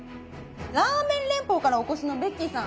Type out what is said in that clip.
ラーメン連邦からお越しのベッキーさん。